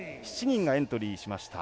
７人がエントリーしました。